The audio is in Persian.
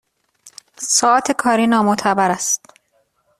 ساعات کاری نامعتبر است